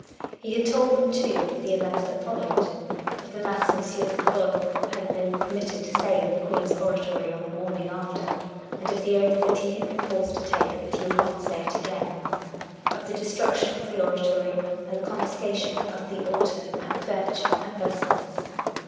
He had told them, too, of the events that followed; of the mass M. de Preau had been permitted to say in the Queen's oratory on the morning after ; and of the oath that he had been forced to take that he would not say it again; of the destruction of the oratory and the con fiscation of the altar furniture and vestments.